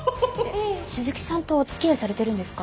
鈴木さんとおつきあいされてるんですか？